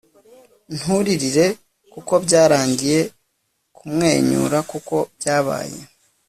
nturirire kuko byarangiye, kumwenyura kuko byabaye